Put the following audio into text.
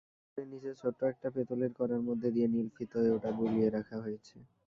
বাতিদানের নিচে ছোট্ট একটা পেতলের কড়ার মধ্যে দিয়ে নীল ফিতোয় ওটা বুলিয়ে রাখা হয়েছে।